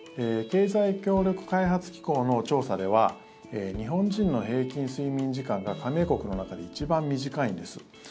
経済協力開発機構の調査では日本人の平均睡眠時間が加盟国の中で一番短いんです。